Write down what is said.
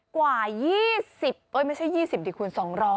กว่า๒๐ไม่ใช่๒๐ดิคุณ๒๐๐